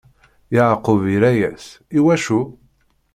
Yeɛqub irra-yas: I wacu?